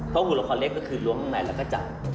เพราะหุ่นละครเล็กก็คือล้วงข้างในแล้วก็จับ